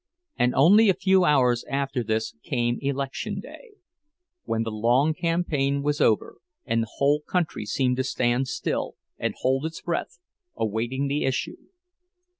And only a few hours after this came election day—when the long campaign was over, and the whole country seemed to stand still and hold its breath, awaiting the issue.